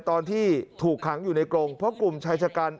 ตอนที่ถูกขังอยู่ในกรงเพราะกลุ่มชายชะกัน